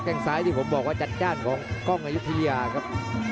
งซ้ายที่ผมบอกว่าจัดจ้านของกล้องอายุทยาครับ